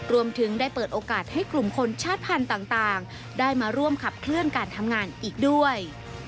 รวมถึงได้เปิดโอกาสให้กลุ่มคนชาติพันธุ์ต่างได้มาร่วมขับเคลื่อนการทำงานอีกด้วย